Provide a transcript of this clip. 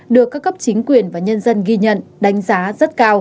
được các cấp chính quyền và nhân dân ghi nhận đánh giá rất cao